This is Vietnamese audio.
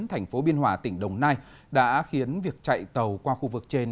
thành phố biên hòa tỉnh đồng nai đã khiến việc chạy tàu qua khu vực trên